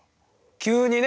急にね